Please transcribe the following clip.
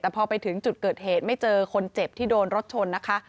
แต่พอไปถึงจุดเกิดเหตุไม่เจอคนเจ็บที่โดนรถชนนะคะ